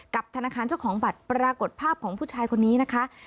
ธนาคารเจ้าของบัตรปรากฏภาพของผู้ชายคนนี้นะคะ